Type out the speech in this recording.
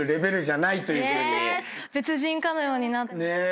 別人かのようになって。